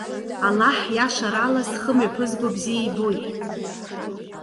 Аллаҳ иашарала зхы мҩаԥызго бзиа ибоит.